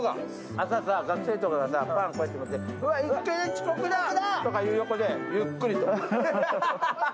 朝、学生とかがパンをこうやって持って、いっけね、遅刻だって言う横でゆっくりと。